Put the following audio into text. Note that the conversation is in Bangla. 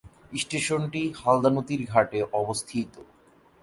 স্টেশনটি হালদা নদীর ঘাটে অবস্থিত।